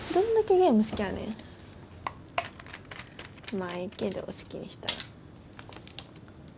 まあええけど好きにしたら。